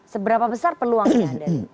seberapa besar peluangnya